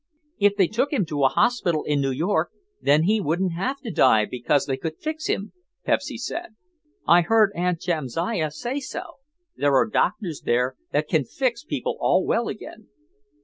"If they took him to a hospital in New York then he wouldn't have to die because they could fix him," Pepsy said. "I heard Aunt Jamsiah say so. There are doctors there that can fix people all well again."